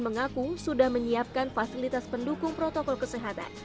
mengaku sudah menyiapkan fasilitas pendukung protokol kesehatan